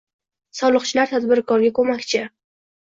Soliqchilar tadbirkorga ko‘makching